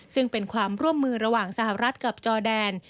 ซึ่งเป็นความร่วมมือระหว่างสหรัฐกับจอแดน